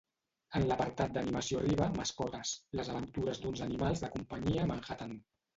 En l'apartat d'animació arriba "Mascotes", les aventures d'uns animals de companyia a Manhattan.